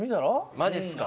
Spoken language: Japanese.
マジっすか？